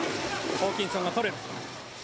ホーキンソンが取る。